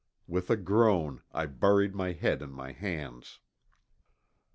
With a groan I buried my head in my hands.